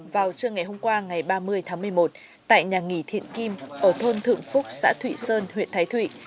vào trưa ngày hôm qua ngày ba mươi tháng một mươi một tại nhà nghỉ thiện kim ở thôn thượng phúc xã thụy sơn huyện thái thụy